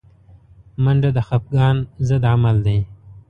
منډه د خفګان ضد عمل دی